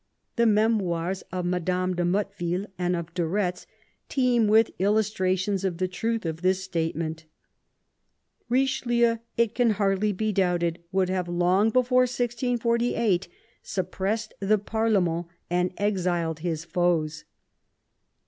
The memoirs of Madame de Motteville and of de Eetz teem with illustrations of the truth of this statement. Eiche lieu, it can hardly be doubted, would have long before 1648 suppressed the mrlement and exiled his foes.